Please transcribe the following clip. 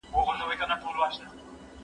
هغه څوک چي وخت تنظيموي منظم وي!؟